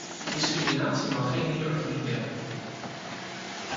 Discriminatie mag geen hiërarchie kennen.